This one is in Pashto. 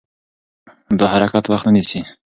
دا حرکت وخت نه نیسي.